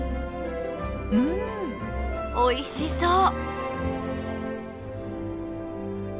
うんおいしそう！